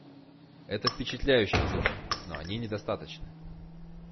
Это впечатляющие цифры, но они недостаточны.